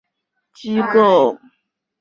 中国乡镇的农机站是类似的机构。